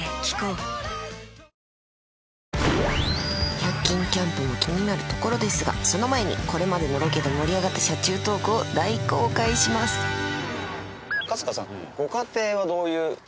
１００均キャンプも気になるところですがその前にこれまでのロケで盛り上がった車中トークを大公開します春日さんご家庭は。